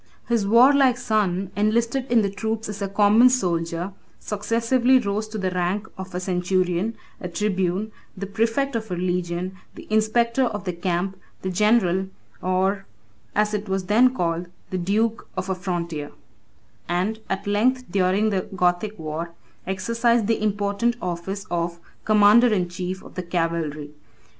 His warlike son enlisted in the troops as a common soldier, successively rose to the rank of a centurion, a tribune, the præfect of a legion, the inspector of the camp, the general, or, as it was then called, the duke, of a frontier; and at length, during the Gothic war, exercised the important office of commander in chief of the cavalry.